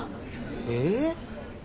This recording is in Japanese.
えっ？